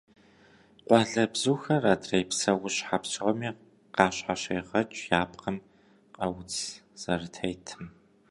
Къуалэбзухэр адрей псэущхьэ псоми къащхьэщегъэкӏ я пкъым къэуц зэрытетым.